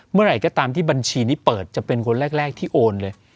เมื่อไหร่ก็ตามที่บัญชีนี้เปิดจะเป็นคนแรกที่โอนเลย